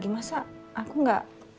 masa aku gak